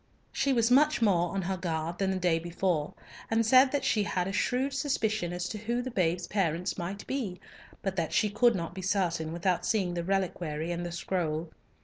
She was much more on her guard than the day before, and said that she had a shrewd suspicion as to who the babe's parents might be, but that she could not be certain without seeing the reliquary and the scroll.